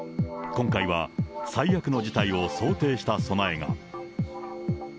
今回は最悪の事態を想定した備えが。